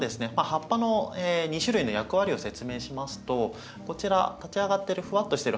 葉っぱの２種類の役割を説明しますとこちら立ち上がってるふわっとしてる葉っぱはですね